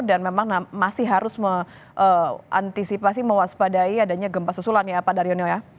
dan memang masih harus mengantisipasi mewaspadai adanya gempa susulan ya pak daryono ya